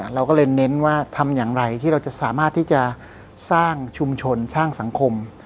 เราก็เลยเน้นว่าทำอย่างไรที่เราจะสามารถที่จะสร้างชุมชนสร้างสังคม